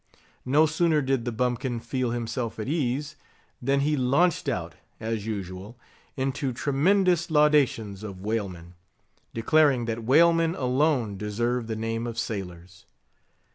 No sooner did the bumpkin feel himself at ease, than he launched out, as usual, into tremendous laudations of whalemen; declaring that whalemen alone deserved the name of sailors.